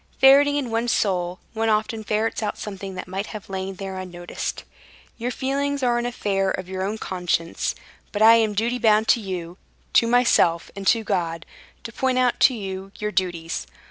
"Ferreting in one's soul, one often ferrets out something that might have lain there unnoticed. Your feelings are an affair of your own conscience; but I am in duty bound to you, to myself, and to God, to point out to you your duties.